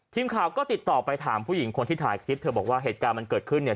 ทีมข่าวก็ติดต่อไปถามผู้หญิงคนที่ถ่ายคลิปเธอบอกว่าเหตุการณ์มันเกิดขึ้นเนี่ย